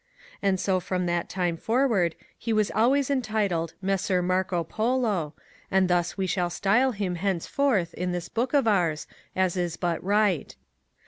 And so from that time forward he was always entitled Messer Marco Polo, and thus we shall style him henceforth in this Book of ours, as is but right.